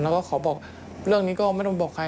แล้วก็ขอบอกเรื่องนี้ก็ไม่ต้องบอกใคร